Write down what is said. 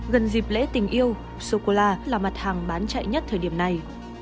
gần dịp lễ tình yêu sô cô la là mặt hàng bán chạy nhất thời điểm này